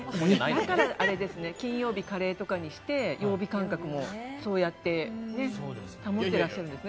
だから、金曜日をカレーとかにして曜日感覚を保っていらっしゃるんですね。